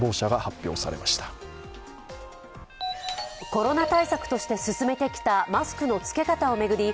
コロナ対策として進めてきたマスクの着け方を巡り